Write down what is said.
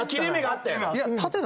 あっ。